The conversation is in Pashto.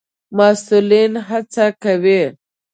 مسئولين هڅه کوي